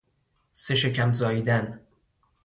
سه شکم زاییدن